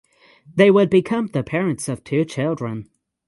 They would become the parents of two children.